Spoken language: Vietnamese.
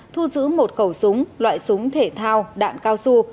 thu giữ một khẩu súng loại súng thể thao đạn cao su